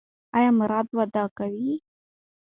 ایا مراد واده کوي؟